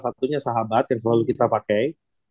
satunya sahabat yang selalu kita pakai